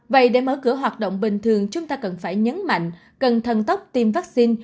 vậy để mở cửa hoạt động bình thường chúng ta cần phải nhấn mạnh cần thần tốc tiêm vaccine